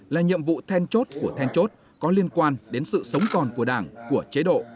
là nhiệm vụ then chốt của then chốt có liên quan đến sự sống còn của đảng của chế độ